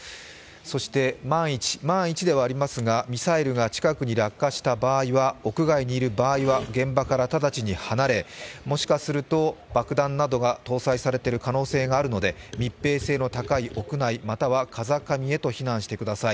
そして万一ではありますが、ミサイルが近くに落下した場合は屋外にいる場合は現場から直ちに離れもしかすると爆弾などが搭載されている可能性があるので密閉性の高い屋内、または風上へと避難してください。